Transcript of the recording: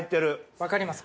分かりますか？